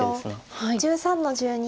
白１３の十二。